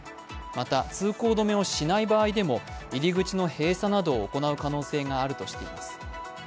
また、通行止めをしない場合でも入り口の閉鎖などを行う可能性があるとしています。